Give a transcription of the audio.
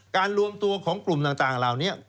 รวมตัวของกลุ่มต่างเหล่านี้